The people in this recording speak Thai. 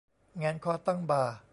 แหงนคอตั้งบ่า